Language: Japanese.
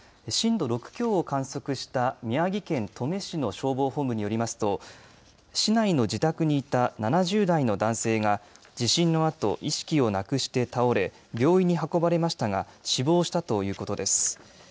震度６強を観測した宮城県登米市の消防本部によりますと市内の自宅にいた７０代の男性が地震のあと意識をなくして倒れ病院に運ばれましたが死亡したということです。